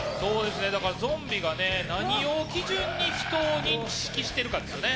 ゾンビが何を基準に人を認識しているかですよね。